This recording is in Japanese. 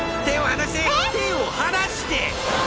手を離してえっ！？